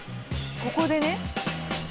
ここでね。